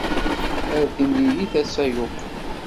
Ar timlilit a Sayoko.